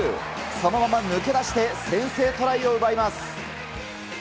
そのまま抜け出して先制トライを奪います。